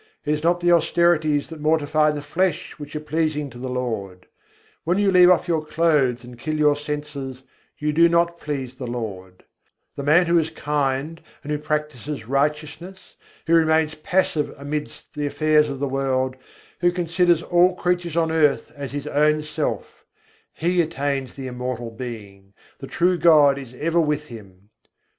It is not the austerities that mortify the flesh which are pleasing to the Lord, When you leave off your clothes and kill your senses, you do not please the Lord: The man who is kind and who practises righteousness, who remains passive amidst the affairs of the world, who considers all creatures on earth as his own self, He attains the Immortal Being, the true God is ever with him.